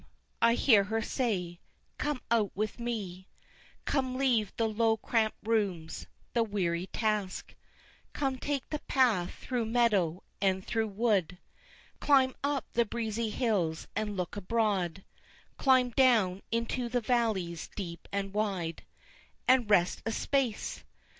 I hear her say, come out with me, Come leave the low cramped rooms, the weary task, Come take the path through meadow, and through wood, Climb up the breezy hills and look abroad, Climb down into the valleys deep and wide And rest a space!